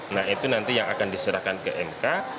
nah itu nanti yang akan diserahkan ke mk